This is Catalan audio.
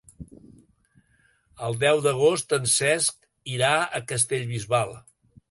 El deu d'agost en Cesc irà a Castellbisbal.